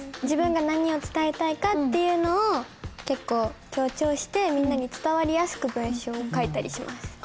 自分が何を伝えたいかっていうのを結構強調してみんなに伝わりやすく文章を書いたりします。